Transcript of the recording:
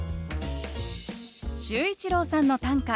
秀一郎さんの短歌